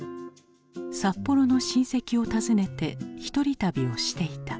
札幌の親戚を訪ねて１人旅をしていた。